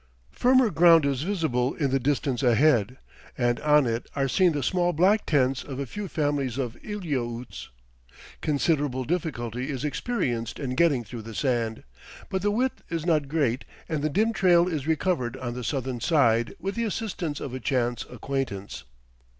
Firmer ground is visible in the distance ahead, and on it are seen the small black tents of a few families of Eliautes. Considerable difficulty is experienced in getting through the sand; but the width is not great, and the dim trail is recovered on the southern side with the assistance of a chance acquaintance.